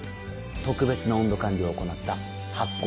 特別な温度管理を行った「発酵」